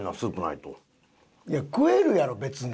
いや食えるやろ別に。